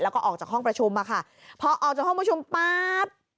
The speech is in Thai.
แล้วก็ออกจากห้องประชุมอะค่ะพอออกจากห้องประชุมปั๊บ